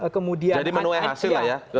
kemudian jadi menuai hasil lah ya